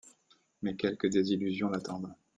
Mais quelques désillusions l'attendent.